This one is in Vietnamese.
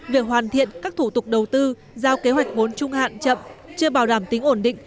việc hoàn thiện các thủ tục đầu tư giao kế hoạch vốn trung hạn chậm chưa bảo đảm tính ổn định